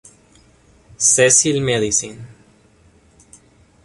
Cecil Medicine.